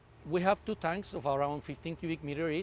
kita punya dua tank sekitar lima belas kubik meter setiap